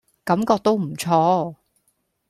感覺都唔錯